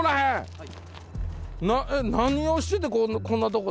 はい。